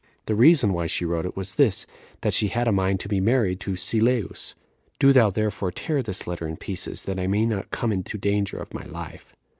The reason why she wrote it was this, that she had a mind to be married to Sylleus. Do thou therefore tear this letter in pieces, that I may not come into danger of my life."